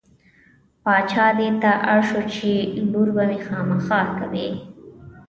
باچا دې ته اړ شو چې لور به مې خامخا کوې.